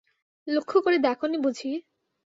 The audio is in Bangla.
লক্ষ্য করে দেখ নি বুঝি?